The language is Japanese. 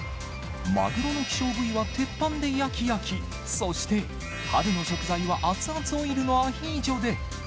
マグロの希少部位は鉄板で焼き焼き、そして、春の食材は熱々オイルのアヒージョで。